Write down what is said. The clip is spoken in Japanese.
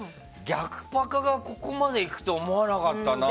逆パカがここまでいくと思わなかったな。